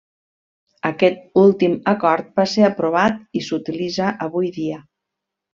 Aquest últim acord va ser aprovat i s'utilitza avui dia.